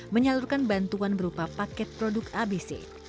menyalurkan bantuan berupa paket produk abc